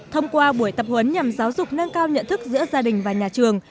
thông qua buổi tập huấn nhằm giáo dục nâng cao nhận thức giữa gia đình và nhà trường